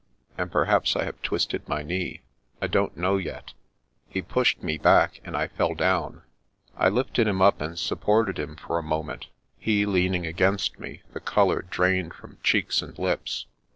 And perhaps I have twisted my knee. I don't know yet. He pushed me back, and I fell down." I lifted him up and supported him for a moment, he leaning against me, the colour drained from cheeks and lips.